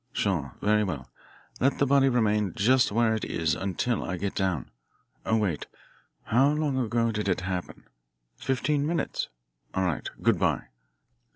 Sure. Very well. Let the body remain just where it is until I get down. Oh, wait. How long ago did it happen? Fifteen minutes? All right. Good bye."